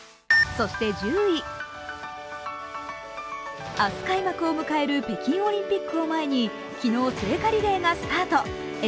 そして１０位、明日開幕を迎える北京オリンピックを前に昨日、聖火リレーがスタート。